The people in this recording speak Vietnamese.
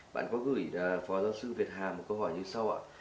bạn có gửi phó giáo sư việt hà một câu hỏi như sau ạ